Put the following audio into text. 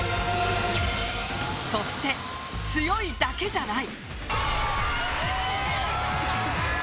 そして、強いだけじゃない。